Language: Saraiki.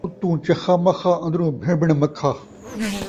اُتوں چخا مخا، اندروں بھݨ بھݨ مکھا